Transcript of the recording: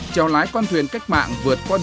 chào lái con thuyền cách mạng vượt qua những kỳ kỳ xưa